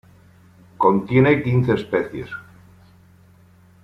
Contiene quince especies.